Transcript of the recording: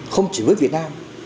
không chỉ với việt nam